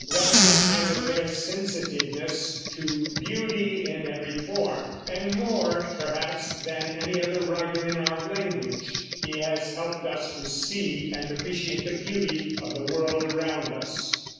Ruskin had a rare sensitiveness to beauty in every form, and more, perhaps, than any other writer in our language, he has helped us to see and appreciate the beauty of the world around us.